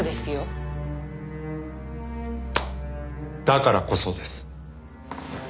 だからこそです。